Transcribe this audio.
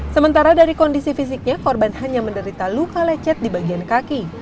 sementara dari kondisi fisiknya korban hanya menderita luka lecet di bagian kaki